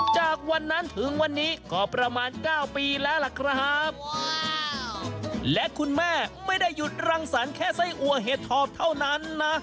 จากวันนั้นถึงวันนี้ก็ประมาณเก้าปีแล้วล่ะครับและคุณแม่ไม่ได้หยุดรังสรรค์แค่ไส้อัวเห็ดถอบเท่านั้นนะ